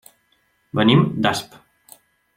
Venim d'Asp.